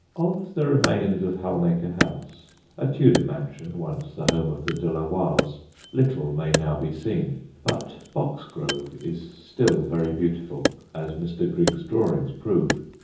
Of the remains of Halnaker House, a Tudor mansion, once the home of the De la Warrs, little may now be seen; but Boxgrove is still very beautiful, as Mr. Griggs' drawings prove.